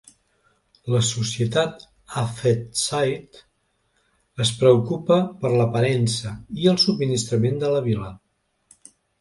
La societat Affetside es preocupa per l'aparença i el subministrament de la vila.